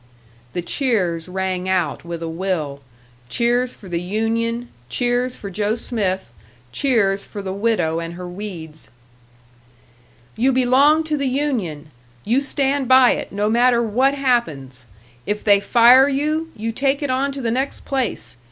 The cheers rang out with a will: cheers for the union, cheers for Joe Smith, cheers for the widow and her weeds! "You belong to the union! You stand by it, no matter what happens! If they fire you, you take it on to the next place!